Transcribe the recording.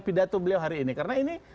pidato beliau hari ini karena ini